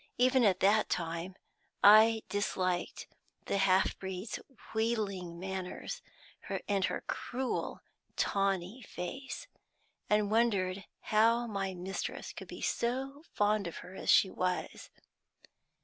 Even at that time I disliked the half breed's wheedling manners, and her cruel, tawny face, and wondered how my mistress could be so fond of her as she was.